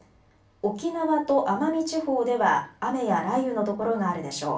沖縄と奄美地方では雨や雷雨の所があるでしょう。